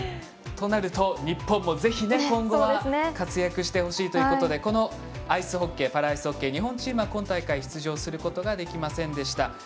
となると、日本もぜひ今後は活躍してほしいということでこのパラアイスホッケー日本チームは今大会出場することができませんでした。